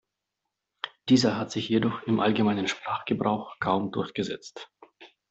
Dieser hat sich jedoch im allgemeinen Sprachgebrauch kaum durchgesetzt.